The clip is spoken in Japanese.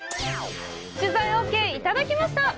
取材オーケーいただきました！